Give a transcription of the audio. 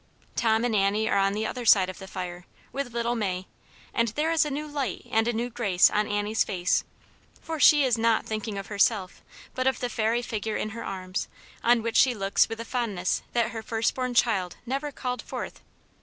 'Tom and Annie are on the other side of the fire, with .little May, and there is a new light and a new grace on Annie's face, for she is not thinking of herself, but of the fairy figure in her arms, on which she looks with a fondness that her first born child never called forth.